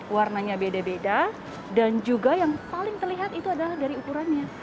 warnanya beda beda dan juga yang paling terlihat itu adalah dari ukurannya